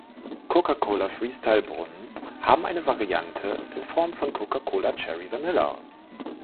Coca-Cola Freestyle-Brunnen haben eine Variante in Form von Coca-Cola Cherry Vanilla.